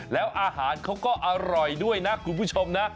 แล้วอาหารเขาก็อร่อยด้วยนะคุณผู้ชมนะ